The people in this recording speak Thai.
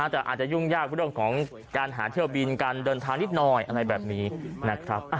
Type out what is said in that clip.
แต่อาจจะยุ่งยากเรื่องของการหาเที่ยวบินการเดินทางนิดหน่อยอะไรแบบนี้นะครับ